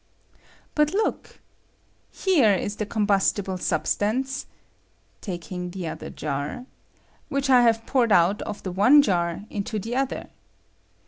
But look I Here is the combustible substance [taking the other jar] which I have poured out of the one jar into the other.